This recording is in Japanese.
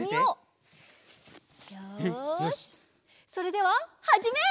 それでははじめい！